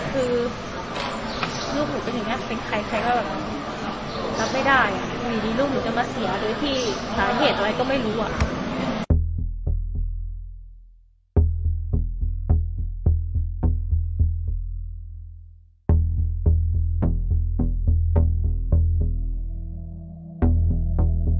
คือลูกหนูเป็นอย่างนี้เป็นใครก็แบบรับไม่ได้